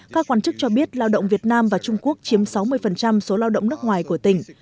các quan chức cho biết lao động việt nam và trung quốc chiếm sáu mươi số lao động nước ngoài của tỉnh